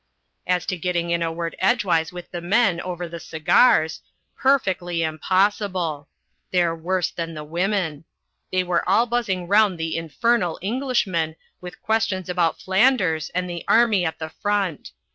As to getting in a word edgeways with the men over the cigars perfectly impossible! They're worse than the women. They were all buzzing round the infernal Englishman with questions about Flanders and the army at the front.